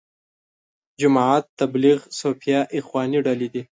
جماعت تبلیغ، صوفیه، اخواني ډلې دي.